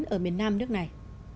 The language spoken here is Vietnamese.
ở miền nam nước này